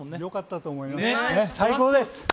よかったと思います。